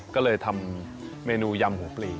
ก็เลยทำเมนูยำหัวปลี